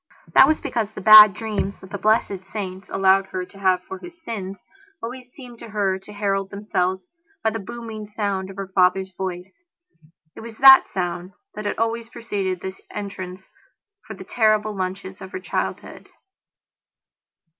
That was because the bad dreams that the blessed saints allowed her to have for her sins always seemed to her to herald themselves by the booming sound of her father's voice. It was that sound that had always preceded his entrance for the terrible lunches of her childhood...